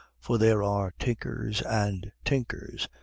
For there are tinkers and tinkers.